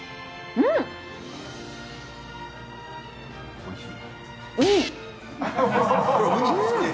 うんおいしい。